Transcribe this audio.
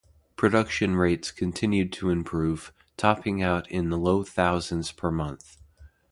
Production rates continued to improve, topping out in the low thousands per month.